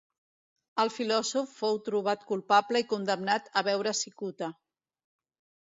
El filòsof fou trobat culpable i condemnat a beure cicuta.